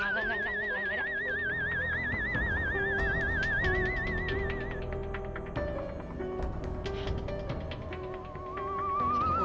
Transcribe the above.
enggak enggak enggak